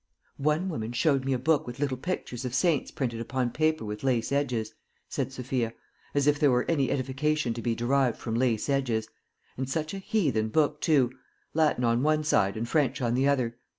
"One woman showed me a book with little pictures of saints printed upon paper with lace edges," said Sophia, "as if there were any edification to be derived from lace edges; and such a heathen book too Latin on one side and French on the other.